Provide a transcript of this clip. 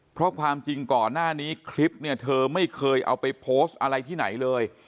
เพราะความจริงก่อนหน้านี้คลิปเนี่ยเธอไม่เคยเอาไปโพสต์อะไรที่ไหนเลย